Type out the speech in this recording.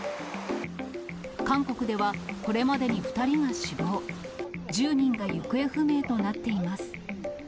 韓国では、これまでに２人が死亡、１０人が行方不明となっています。